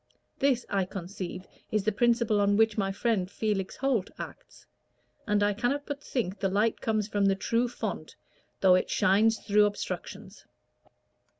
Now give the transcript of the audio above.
This, I conceive, is the principle on which my friend Felix Holt acts; and I cannot but think the light comes from the true fount, though it shines through obstructions."